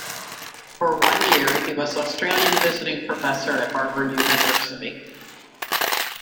For one year, he was Australian Visiting Professor at Harvard University.